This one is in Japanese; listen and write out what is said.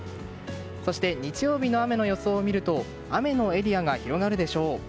そして日曜日の雨の予想を見ると雨のエリアが広がるでしょう。